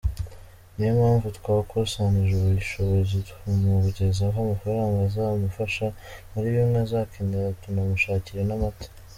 Ni yo mpamvu twakusanyije ubushobozi tumugezaho amafaranga azamufasha muri bimwe azakenera, tunamushakira n’amata”.